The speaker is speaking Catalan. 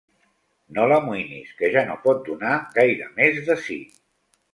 No l'amoïnis, que ja no pot donar gaire més de si.